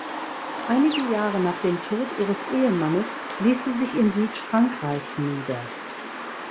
Einige Jahre nach dem Tod ihres Ehemannes ließ sie sich in Südfrankreich nieder.